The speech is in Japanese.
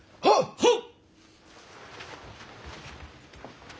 はっ。